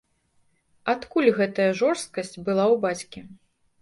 Адкуль гэтая жорсткасць была ў бацькі?